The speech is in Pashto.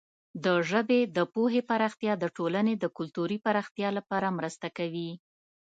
د ژبې د پوهې پراختیا د ټولنې د کلتوري پراختیا لپاره مرسته کوي.